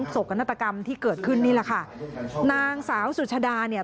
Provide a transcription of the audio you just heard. โศกนาฏกรรมที่เกิดขึ้นนี่แหละค่ะนางสาวสุชดาเนี่ย